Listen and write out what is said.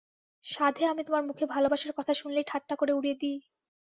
সাধে আমি তোমার মুখে ভালোবাসার কথা শুনলেই ঠাট্টা করে উড়িয়ে দি।